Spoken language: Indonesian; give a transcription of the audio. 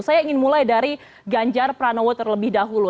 saya ingin mulai dari ganjar pranowo terlebih dahulu